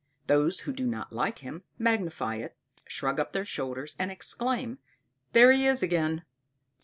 Those who do not like him, magnify it, shrug up their shoulders, and exclaim there he is again!